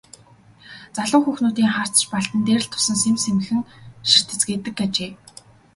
Залуу хүүхнүүдийн харц ч Балдан дээр л тусан сэмхэн сэмхэн ширтэцгээдэг ажээ.